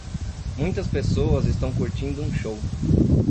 Muitas pessoas estão curtindo um show.